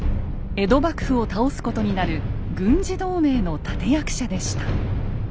江戸幕府を倒すことになる軍事同盟の立て役者でした。